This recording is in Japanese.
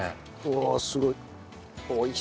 うわあすごい。